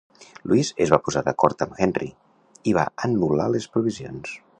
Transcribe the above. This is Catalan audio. Louis es va posar d'acord amb Henry, i va anul·lar les provisions.